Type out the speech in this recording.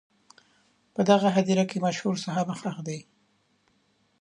په دغه هدیره کې مشهور صحابه ښخ دي.